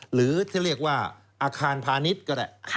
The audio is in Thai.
หรือที่เรียกว่าอาคารพาณิชย์ก็ได้